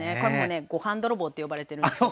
ご飯泥棒って呼ばれてるんですよ。